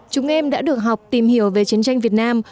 chúng em đã được học tìm hiểu về chiến tranh việt nam